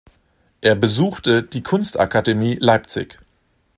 Er besuchte die Kunstakademie Leipzig.